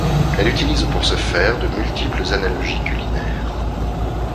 Elle utilise pour ce faire de multiples analogies culinaires.